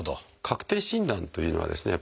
確定診断というのはですね